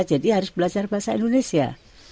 jadi harus belajar bahasa indonesia